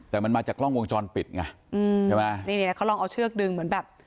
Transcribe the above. แต่มันมาจากกล้องวงจรปิดไงอืมใช่ไหมนี่แล้วเขาลองเอาเชือกดึงเหมือนแบบ